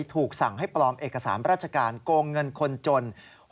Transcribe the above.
ถูกสั่งให้ปลอมเอกสารราชการโกงเงินคนจน